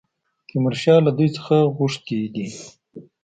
تیمورشاه له دوی څخه غوښتي دي.